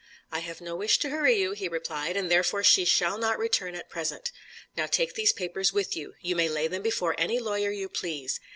"I have no wish to hurry you," he replied, "and therefore she shall not return at present. Now take these papers with you. You may lay them before any lawyer you please.